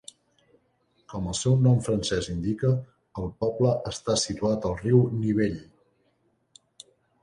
Com el seu nom francès indica, el poble està situat al riu Nivelle.